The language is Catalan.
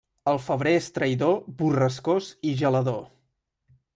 El febrer és traïdor, borrascós i gelador.